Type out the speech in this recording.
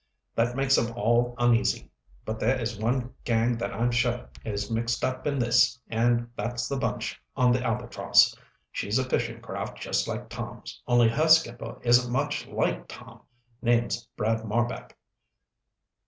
That makes 'em all uneasy. But there is one gang that I'm sure is mixed up in this, and that's the bunch on the Albatross. She's a fishing craft just like Tom's, only her skipper isn't much like Tom. Name's Brad Marbek."